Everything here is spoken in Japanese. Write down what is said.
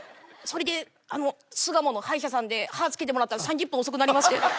それで巣鴨の歯医者さんで歯付けてもらったら３０分遅くなりまして。